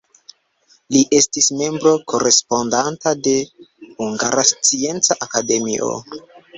Li estis membro korespondanta de Hungara Scienca Akademio.